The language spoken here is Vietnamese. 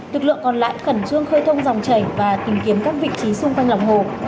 lực lượng còn lại khẩn trương khơi thông dòng chảy và tìm kiếm các vị trí xung quanh lòng hồ